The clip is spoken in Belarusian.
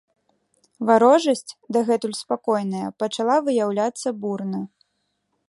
Варожасць, дагэтуль спакойная, пачала выяўляцца бурна.